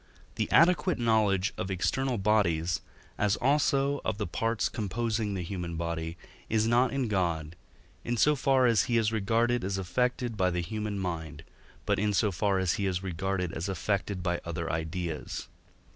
the adequate knowledge of external bodies, as also of the parts composing the human body, is not in God, in so far as he is regarded as affected by the human mind, but in so far as he is regarded as affected by other ideas.